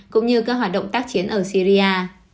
cũng như các hoạt động tác chiến ở syria